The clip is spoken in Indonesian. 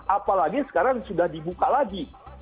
apalagi sekarang sudah dibuka lagi